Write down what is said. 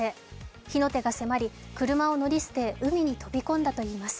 火の手が迫り、車を乗り捨て海に飛び込んだといいます。